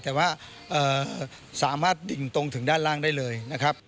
แต่ว่าสามารถดิ่งตรงถึงด้านล่างได้เลยนะครับ